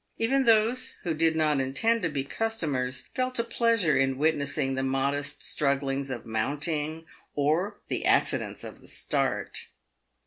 Even those who did not intend to be customers felt a pleasure in witnessing the modest strugglings of mounting or the accidents of the start.